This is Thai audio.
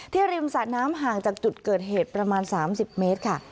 ริมสะน้ำห่างจากจุดเกิดเหตุประมาณ๓๐เมตรค่ะ